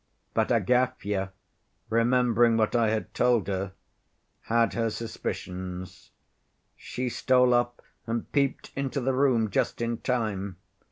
But Agafya, remembering what I had told her, had her suspicions. She stole up and peeped into the room just in time.